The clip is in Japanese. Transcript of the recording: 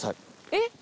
えっ？